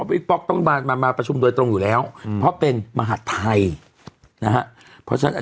วิกป๊อกต้องมาประชุมโดยตรงอยู่แล้วเพราะเป็นมาหัศไทย